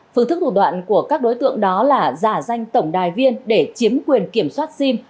phương thức thủ đoạn của các đối tượng đó là giả danh tổng đài viên để chiếm quyền kiểm soát sim